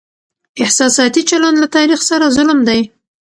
احساساتي چلند له تاريخ سره ظلم دی.